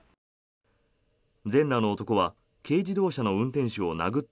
全裸の男は軽自動車の運転手を殴った